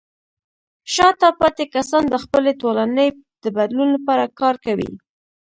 شاته پاتې کسان د خپلې ټولنې د بدلون لپاره کار کوي.